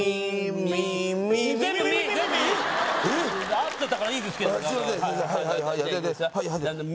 合ってたからいいですけどすいません